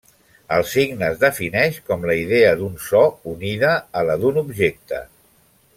El signe es defineix com la idea d’un so unida a la d’un objecte.